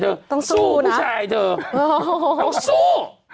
ต้องสู้นะสู้ผู้ชายเขาสู้